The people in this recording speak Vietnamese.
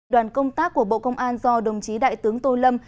đoàn công tác của bộ công an do đồng chí đại tướng tô lâm